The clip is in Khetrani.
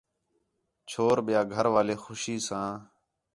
چھور ٻِیا گھر والے خوشی ساں